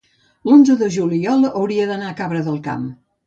l'onze de juliol hauria d'anar a Cabra del Camp.